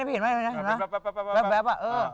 แปป